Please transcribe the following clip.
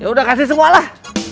yaudah kasih semua lah